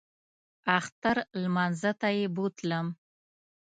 اختر لمانځه ته یې بوتلم.